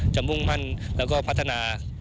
มุ่งมั่นแล้วก็พัฒนา